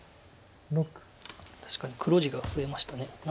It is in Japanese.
確かに黒地が増えました。